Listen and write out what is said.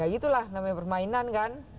ya itulah namanya permainan kan